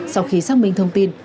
sau khi xác minh thông tin